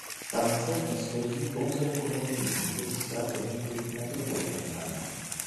Stanice dnes slouží pouze jako nouzový východ z tratě linky Metropolitan line.